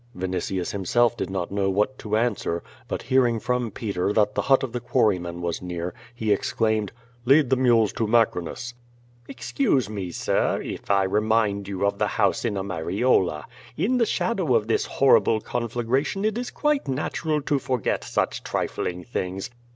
Vinitius himself did not know what to answer, but hear ing from Peter that the hut of the quarryman was near, he exclaimed: "Lead the mules to Macrinus." "Excuse me^ sir, if I remind you of the house in Ameriola. In the shadow of this horrible conflagration it is quite natu ral to forget such trifling things."